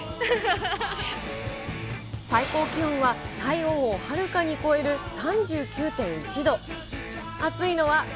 最高気温は体温をはるかに超える３９．１度。